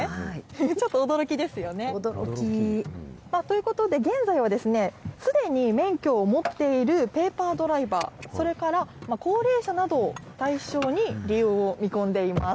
ちょっと驚きですよね。ということで、現在はですね、すでに免許を持っているペーパードライバー、それから、高齢者などを対象に、利用を見込んでいます。